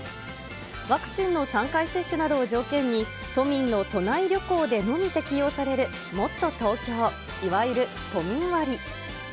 ワクチンの３回接種などを条件に、都民の都内旅行でのみ適用されるもっとＴｏｋｙｏ、いわゆる都民割。